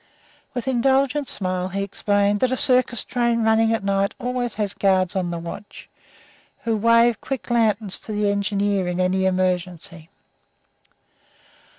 With indulgent smile, he explained that a circus train running at night always has guards on the watch, who wave quick lanterns to the engineer in any emergency.